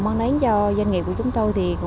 mang đến do doanh nghiệp của chúng tôi